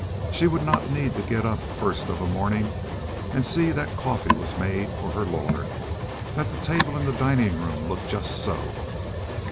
She would not need to get up first of a morning and see that coffee was made for her lord, that the table in the dining room looked just so.